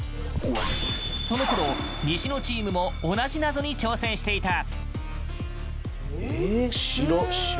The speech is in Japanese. そのころ、西野チームも同じ謎に挑戦していた。